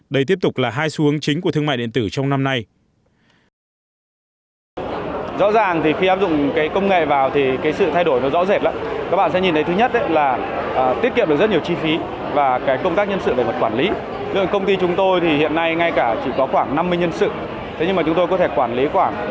đây tiếp tục là hai xu hướng chính của thương mại điện tử trong năm nay